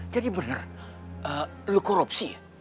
jadi benar lo korupsi ya